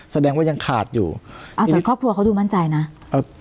แสดงว่ายังขาดอยู่อ่าแต่ครอบครัวเขาดูมั่นใจนะเอ่อ